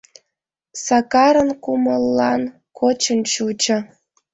Сакарын кумыллан кочын чучо.